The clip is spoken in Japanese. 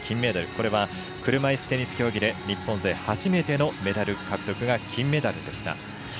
これは車いすテニス競技で日本勢初めてのメダル獲得が金メダルでした。